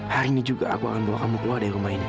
hari ini juga aku akan bawa kamu keluar dari rumah ini